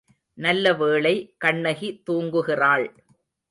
நல்லவேளை கண்ணகி தூங்குகிறாள்.